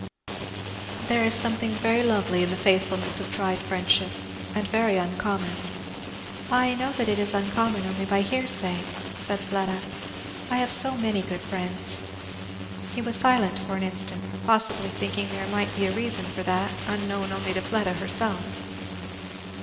"There is something very lovely in the faithfulness of tried friendship and very uncommon." "I know that it is uncommon only by hearsay," said Fleda, "I have so many good friends." He was silent for an instant, possibly thinking there might be a reason for that unknown only to Fleda herself.